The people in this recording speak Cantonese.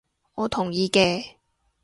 我同意嘅